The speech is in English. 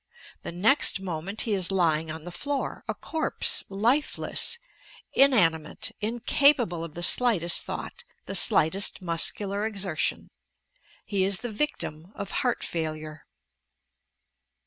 The next moment he is lying on the floor, a corpse, lifeless, inani mate, incapable of the slightest thought, the slightest muscular exertion. He is the victim of "heart failure."